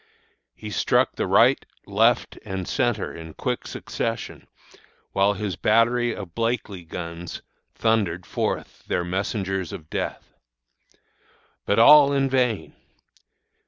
He struck the right, left, and centre in quick succession, while his battery of Blakely guns thundered forth their messengers of death. "But all in vain!